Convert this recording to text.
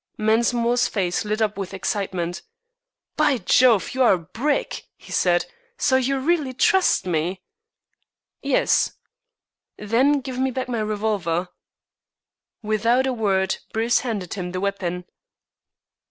Mensmore's face lit up with excitement. "By Jove, you are a brick," he said. "So you really trust me?" "Yes." "Then give me back my revolver." Without a word, Bruce handed him the weapon.